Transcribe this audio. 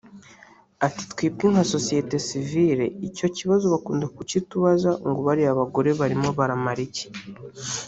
Ati “Twebwe nka Sosiyete sivile icyo kibazo bakunda kukitubaza ngo bariya bagore barimo baramara iki